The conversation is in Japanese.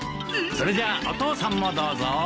それじゃあお父さんもどうぞ。